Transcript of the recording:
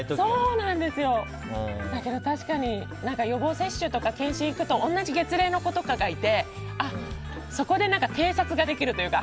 だけど確かに予防接種とか健診に行くと同じ月齢のことかがいてそこで偵察ができるというか。